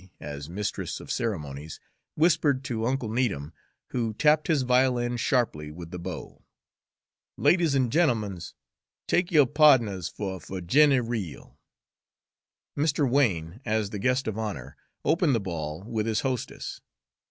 as mistress of ceremonies, whispered to Uncle Needham, who tapped his violin sharply with the bow. "Ladies an' gent'emens, take yo' pa'dners fer a Fuhginny reel!" Mr. Wain, as the guest of honor, opened the ball with his hostess.